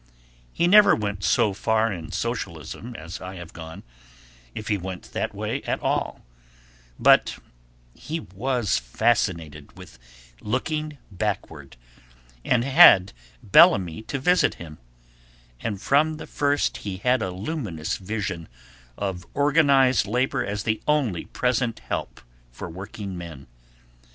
He never went so far in socialism as I have gone, if he went that way at all, but he was fascinated with Looking Backward and had Bellamy to visit him; and from the first he had a luminous vision of organized labor as the only present help for working men.